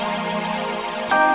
aku melihat banyak kejantolan yang